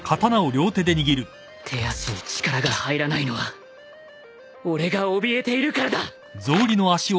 手足に力が入らないのは俺がおびえているからだ